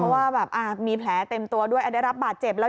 เพราะว่าแบบมีแผลเต็มตัวด้วยได้รับบาดเจ็บแล้ว